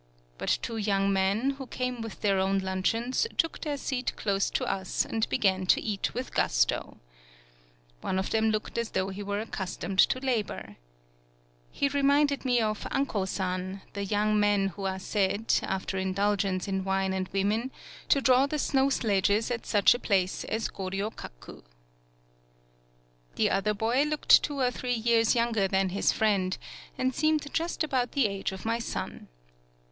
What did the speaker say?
But two young men, who came with their own luncheons, took their seat close to us, and began to eat with gusto. One of them looked as though he were ac customed to labor. He reminded me of "Ankosan," the young men who are said, after indulgence in wine and women, to draw the snow sledges at such a place as Goryokaku. The other boy looked two or three years younger than his friend, and seemed just about the age of my son.